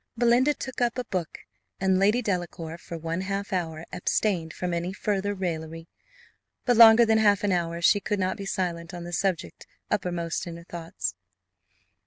Belinda took up a book, and Lady Delacour for one half hour abstained from any farther raillery. But longer than half an hour she could not be silent on the subject uppermost in her thoughts.